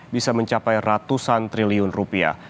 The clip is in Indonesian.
bisa mencapai ratusan triliun rupiah